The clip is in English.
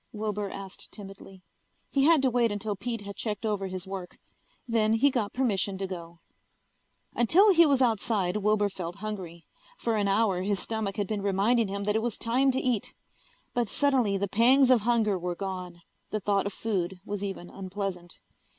Wilbur asked timidly. He had to wait until Pete had checked over his work. Then he got permission to go. Until he was outside Wilbur felt hungry. For an hour his stomach had been reminding him that it was time to eat. But suddenly the pangs of hunger were gone. The thought of food was even unpleasant.